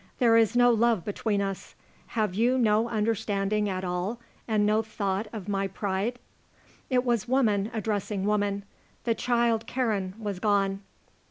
There is no love between us. Have you no understanding at all, and no thought of my pride?" It was woman addressing woman. The child Karen was gone.